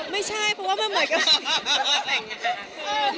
ไม่ใช่เพราะว่ามันเหมือนกัน